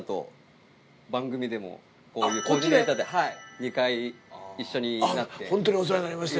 ２回一緒になって。